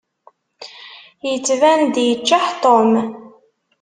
Yettban-d yeččeḥ Tom.